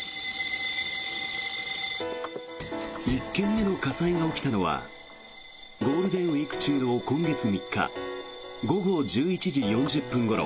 １件目の火災が起きたのはゴールデンウィーク中の今月３日午後１１時４０分ごろ。